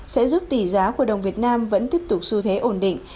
sẽ giúp tỷ giá của đồng việt nam vẫn tiếp tục xu thế ổn định